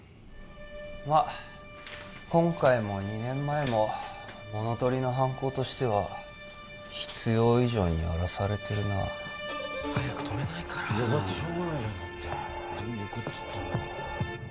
まあ今回も２年前も物取りの犯行としては必要以上に荒らされてるなあ早く止めないからだってしょうがないじゃん